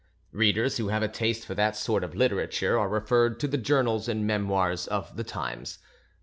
Readers who have a taste for that sort of literature are referred to the journals and memoirs of the times.